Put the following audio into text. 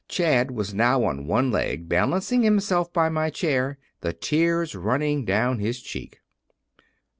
Chad was now on one leg, balancing himself by my chair, the tears running down his cheek.